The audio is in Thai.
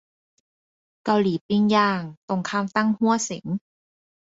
เกาหลีปิ้งย่าง ตรงข้ามตั้งฮั่วเส็ง